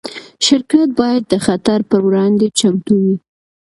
شرکت باید د خطر پر وړاندې چمتو وي.